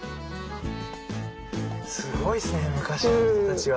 すごいですね昔の人たちは。